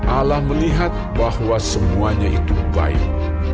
ala melihat bahwa semuanya itu baik